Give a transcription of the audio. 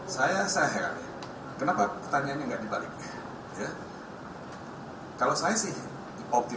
bagaimana menurut anda dari moki ini mengatakan kematasan ini seperti apa